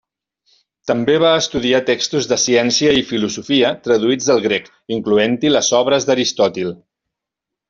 També va estudiar textos de ciència i filosofia traduïts del grec, incloent-hi les obres d'Aristòtil.